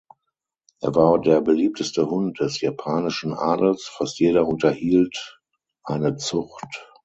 Er war der beliebteste Hund des japanischen Adels, fast jeder unterhielt eine Zucht.